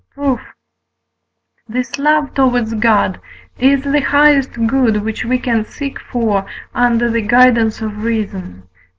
Proof. This love towards God is the highest good which we can seek for under the guidance of reason (IV.